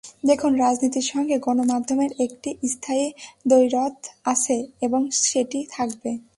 দেখুন, রাজনীতির সঙ্গে গণমাধ্যমের একটি স্থায়ী দ্বৈরথ আছে এবং সেটি থাকবে।